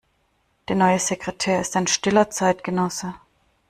Der neue Sekretär ist ein stiller Zeitgenosse.